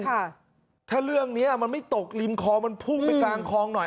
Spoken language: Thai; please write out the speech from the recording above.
ค่ะถ้าเรื่องเนี้ยมันไม่ตกริมคอมันพุ่งไปกลางคลองหน่อย